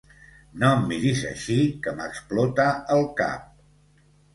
No em miris així, que m'explota el cap.